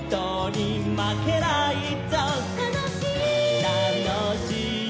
「たのしい」「」